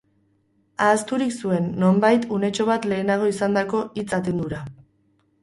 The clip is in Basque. Ahazturik zuen, nonbait, unetxo bat lehenago izandako hitz-atendura.